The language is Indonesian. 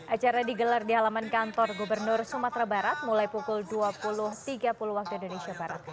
acara digelar di halaman kantor gubernur sumatera barat mulai pukul dua puluh tiga puluh waktu indonesia barat